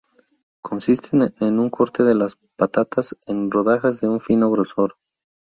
Consisten en un corte de las patatas en rodajas de un fino grosor.